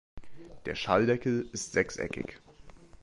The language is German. Der Schalldeckel ist sechseckig.